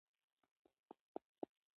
د ماشومانو لوبې د فشار کمولو کې مرسته کوي.